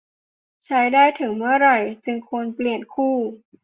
ใช้ได้ถึงเมื่อไหร่จึงควรเปลี่ยนคู่